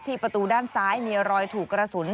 ประตูด้านซ้ายมีรอยถูกกระสุน